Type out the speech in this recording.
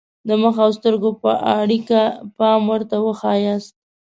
د مخ او سترګو په اړیکه پام ورته وښایاست.